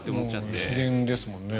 自然ですもんね。